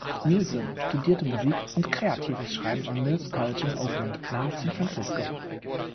Newsom studierte Musik und kreatives Schreiben am Mills College in Oakland, nahe San Francisco.